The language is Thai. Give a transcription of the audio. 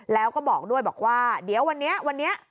แล้วก็บอกด้วยบอกว่าเดี๋ยววันนี้วันนี้